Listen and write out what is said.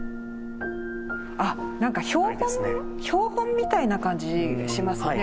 あっなんか標本標本みたいな感じしますね。